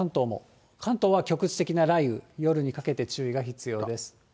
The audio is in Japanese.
関東も、局地的な雷雨、夜にかけて注意が必要です。